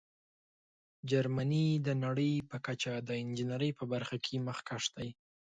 جرمني د نړۍ په کچه د انجینیرۍ په برخه کې مخکښ دی.